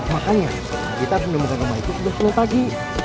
makanya kita harus menemukan rumah itu sudah sepuluh pagi